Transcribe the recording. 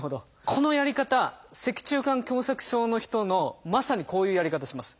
このやり方脊柱管狭窄症の人のまさにこういうやり方します。